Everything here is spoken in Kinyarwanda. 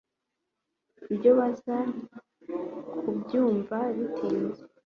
ibyo bazaga kuzabyumva bitinze,